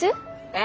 え？